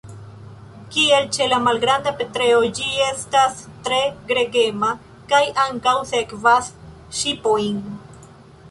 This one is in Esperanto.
Kiel ĉe la Malgranda petrelo, ĝi estas tre gregema, kaj ankaŭ sekvas ŝipojn.